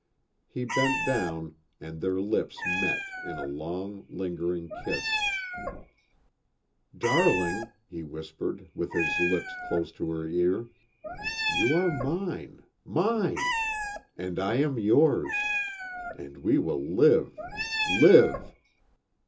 He bent down and their lips met in a long, lingering kiss, "Darling," he whispered, with his lips close to her ear, "You are mine mine! And I am yours. And we will live live!